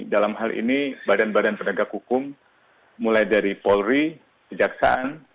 dalam hal ini badan badan penegak hukum mulai dari polri kejaksaan